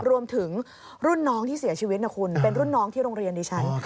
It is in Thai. รวมถึงรุ่นน้องที่เสียชีวิตนะคุณเป็นรุ่นน้องที่โรงเรียนดิฉัน